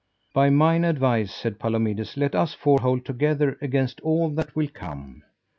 By mine advice, said Palomides, let us four hold together against all that will come.